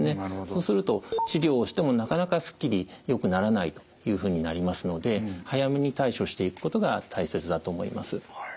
そうすると治療をしてもなかなかすっきりよくならないというふうになりますので早めに対処していくことが大切だと思います。